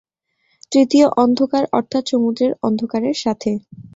তৃতীয় অন্ধকার অর্থাৎ সমুদ্রের অন্ধকারের সাথে।